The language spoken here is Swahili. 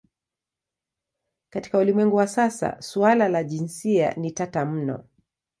Katika ulimwengu wa sasa suala la jinsia ni tata mno.